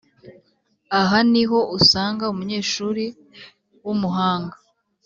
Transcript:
Aha ni ho usanga umunyeshuri w’umuhanga